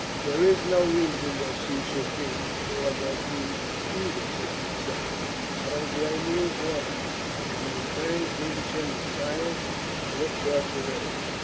"There is no reason that she should be, or that you either should be sorry. I don't blame you, or her," and in his turn Feversham was silent and looked towards the river.